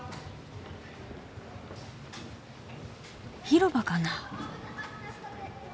広場かな？